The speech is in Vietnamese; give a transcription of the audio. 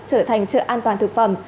trở thành chợ an toàn thực phẩm